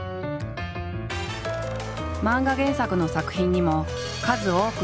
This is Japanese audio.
漫画原作の作品にも数多く出演。